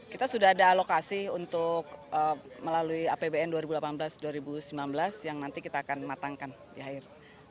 kita sudah ada alokasi untuk melalui apbn dua ribu delapan belas dua ribu sembilan belas yang nanti kita akan matangkan di akhir